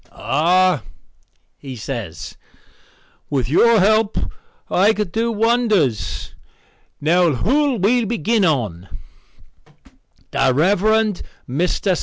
"Ah," he says, "with your help I could do wonders. Now who'll we begin on?" "The Rev. Mr.